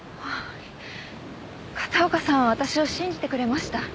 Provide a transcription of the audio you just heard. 片岡さんは私を信じてくれました。